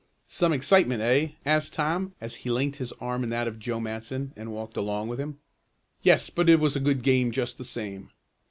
"Some excitement; eh?" asked Tom, as he linked his arm in that of Joe Matson and walked along with him. "Yes, but it was a good game just the same."